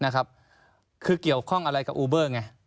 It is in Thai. คือเกี่ยวข้องอะไรกับอูเบอร์ไง